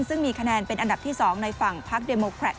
ซึ่งมีคะแนนเป็นอันดับที่๒ในฝั่งพักเดโมแครต